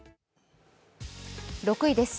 ６位です。